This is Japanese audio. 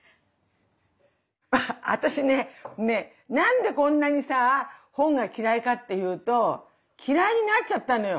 私ね何でこんなにさ本が嫌いかっていうと嫌いになっちゃったのよ。